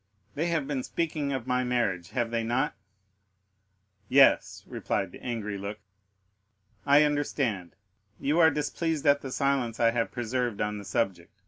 "They have been speaking of my marriage,—have they not?" "Yes," replied the angry look. "I understand; you are displeased at the silence I have preserved on the subject.